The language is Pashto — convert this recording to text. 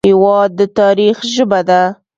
هېواد د تاریخ ژبه ده.